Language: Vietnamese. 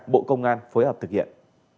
bộ công an phối hợp thực hiện